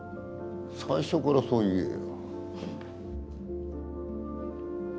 最初からそう言えよ。